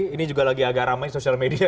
ini juga lagi agak ramai social media